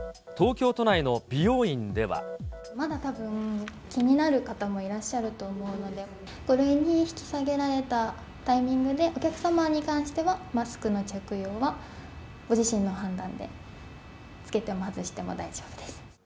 まだたぶん、気になる方もいらっしゃると思うので、５類に引き下げられたタイミングで、お客様に関してはマスクの着用はご自身の判断で、着けても外しても大丈夫です。